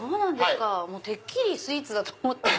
てっきりスイーツだと思った。